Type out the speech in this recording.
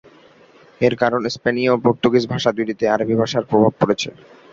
এর কারণ স্পেনীয় ও পর্তুগিজ ভাষা দুইটিতে আরবি ভাষার প্রভাব পড়েছে।